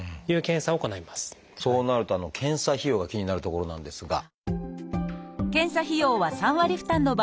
そうなると検査費用が気になるところなんですが。